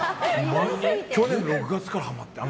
去年６月からハマって。